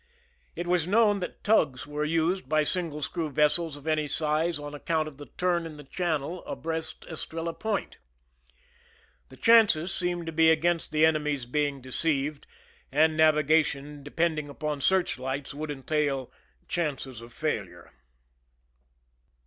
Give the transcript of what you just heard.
It was known that tugs 9 THE SINKING OF THE "MERRIMAC" were used by single screw vessels of any size on account of the turn in the channel abreast Estrella Point. (See map, page IL) The chances seemed to be against the enemy's being deceived, and navi gation depending upon search lights would entail chances of failure.